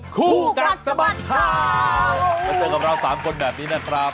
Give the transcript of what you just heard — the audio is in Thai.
คู่กัดสะบัดข่าวมาเจอกับเราสามคนแบบนี้นะครับ